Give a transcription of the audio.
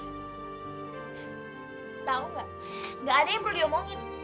tau gak gak ada yang perlu diomongin